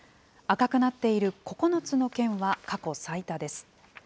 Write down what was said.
赤くなっている９つの県は過去最多です。